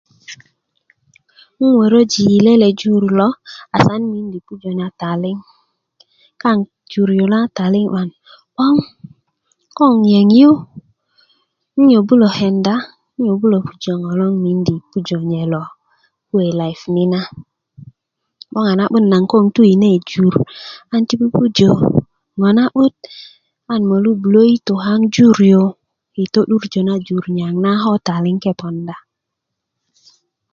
'n wöröji i lele jur lo asan 'n mindi pujö na taliŋ kaŋ jur yu na taliŋ 'ban 'boŋ kon yeŋ yu 'n nyobulo kenda 'n nyobulo pujö ŋo loŋ 'n mindi nye lo kuwe life ni na 'boŋ a na'but naŋ kon tu i lele jur an ti pupujö ŋo na'but an molu bulö yitö kaŋ jur yu yi to'durjö na jur niyaŋ na ko taliŋ ke ponda